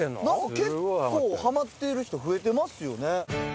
何か結構ハマってる人増えてますよね。